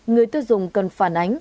người tiêu dùng cần phản ánh